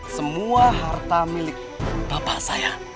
semua harta milik bapak saya